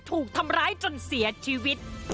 ถูกทำร้ายจนเสียชีวิต